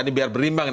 ini biar berimbang